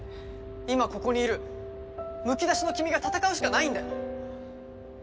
今ここにいるむき出しの君が戦うしかないんだよ。